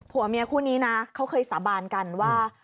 ผัวเมียคู่นี้นะเขาเคยสาบานกันว่า